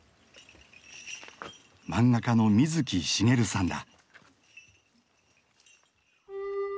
漫画家の水木しげるさんだ。